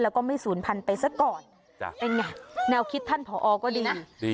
แล้วก็ไม่ศูนย์พันธุไปซะก่อนเป็นไงแนวคิดท่านผอก็ดีนะดี